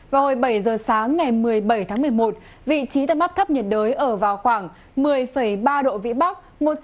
vào hồi bảy giờ sáng ngày một mươi bảy tháng một mươi một vị trí tâm áp thấp nhiệt đới ở vào khoảng một mươi ba độ vĩ bắc